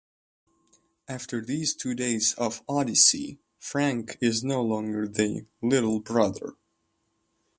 After these two days of odyssey Frank is no longer the "little brother".